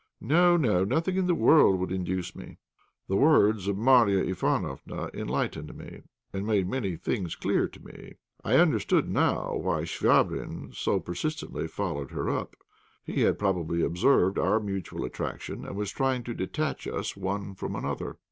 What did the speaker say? No, no; nothing in the world would induce me." The words of Marya Ivánofna enlightened me, and made many things clear to me. I understood now why Chvabrine so persistently followed her up. He had probably observed our mutual attraction, and was trying to detach us one from another.